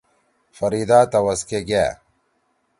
فریدا تَوس کے گأ۔